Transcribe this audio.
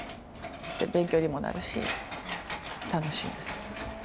で勉強にもなるし楽しいんですよ。